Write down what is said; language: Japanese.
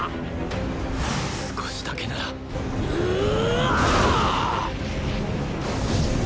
少しだけならうおおお！